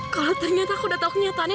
kalau ternyata aku udah tahu kenyataannya